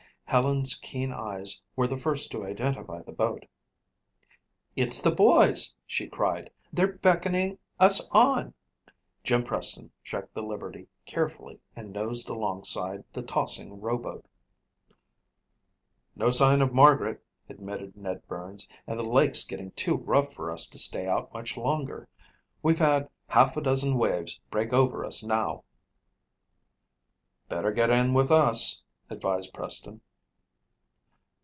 Helen's keen eyes were the first to identify the boat. "It's the boys," she cried. "They're beckoning us on." Jim Preston checked the Liberty carefully and nosed alongside the tossing rowboat. "No sign of Margaret," admitted Ned Burns, "and the lake's getting too rough for us to stay out much longer. We've had half a dozen waves break over us now." "Better get in with us," advised Preston.